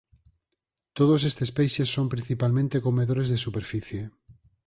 Todos estes peixes son principalmente comedores de superficie.